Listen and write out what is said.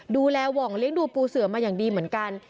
หว่องเลี้ยงดูปูเสือมาอย่างดีเหมือนกัน